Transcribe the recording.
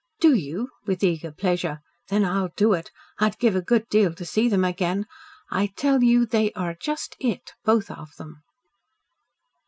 "Do you?" with eager pleasure. "Then I'll do it. I'd give a good deal to see them again. I tell you, they are just It both of them."